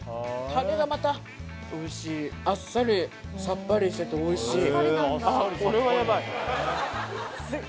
タレがまたおいしいあっさりさっぱりしてておいしい